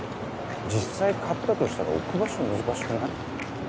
実際買ったとしたら置く場所難しくない？